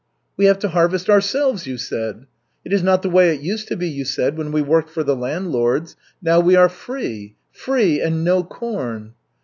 'We have to harvest ourselves,' you said. 'It is not the way it used to be,' you said, 'when we worked for the landlords. Now we are free!' Free, and no corn!"